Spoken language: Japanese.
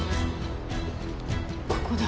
ここだ。